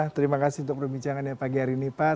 terima kasih untuk perbincangannya pagi hari ini pak